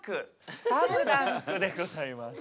スパムダンクでございます。